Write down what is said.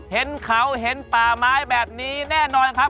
เห็นเขาเห็นป่าไม้แบบนี้แน่นอนครับ